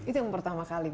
itu yang pertama kali